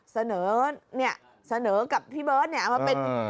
เสนอเนี่ยเสนอกับพี่เบิร์ตเนี่ยเอามาเป็น